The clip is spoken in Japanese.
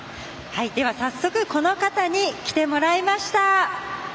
では、早速この方に来てもらいました。